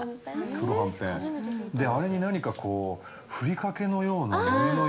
黒はんぺん、あれになにかこう、ふりかけのような、のりのよ